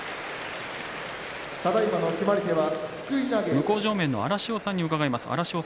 向正面の荒汐さんに伺います。